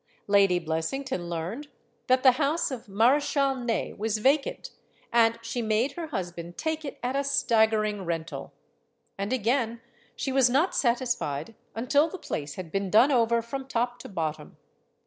Lady Blessington learned that the house of Marechal Ney was vacant, and she made "THE MOST GORGEOUS LADY BLESSINGTON" her husband take it at a staggering rental. And again she was not satisfied until the place had been done over from top to bottom.